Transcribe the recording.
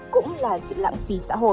cũng là sự lãng phí xã hội